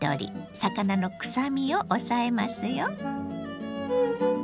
魚のくさみを抑えますよ。